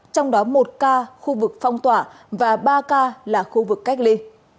trong đó một ca khu vực phong tỏa và ba ca là khu vực cách ly